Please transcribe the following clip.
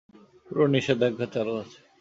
পুরো নিষেধাজ্ঞা চালু আছে।